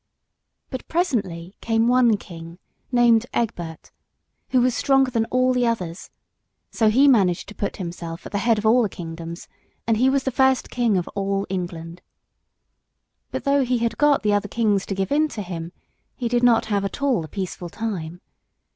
But presently came one King, named Egbert, who was stronger than all the others; so he managed to put himself at the head of all the kingdoms, and he was the first King of all England. But though he had got the other kings to give in to him, he did not have at all a peaceful time.